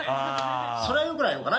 それがよくないのかな？